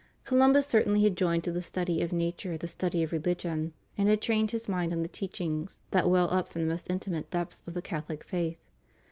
Columbus certainly had joined to the study of nature the study of religion, and had trained his mind on the teachings that well up from the most intimate depths of the Catholic faith.